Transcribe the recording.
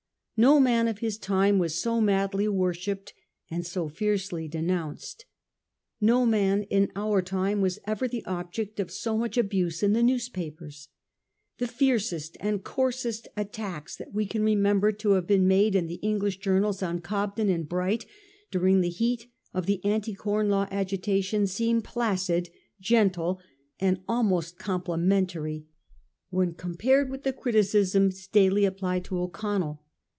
No man of his time was so madly worshipped and so fiercely denounced. No man in our time was ever the object of so much abuse in the newspapers. The fiercest and coarsest attacks that we can remember to have been made in English journals on Cobden and Bright during the heat of the Anti Corn Law agitation seem placid, gentle and almost complimentary when compared with the criticisms daily applied to O'Connell.